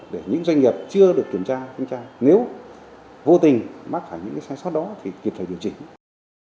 để những doanh nghiệp chưa được kiểm tra nếu vô tình mắc phải những sai sót đó thì kịp phải điều chỉnh